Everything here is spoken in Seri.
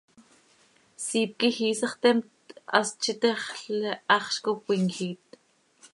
Siip quij iisax theemt, hast z itexl, haxz cop cöimjiit.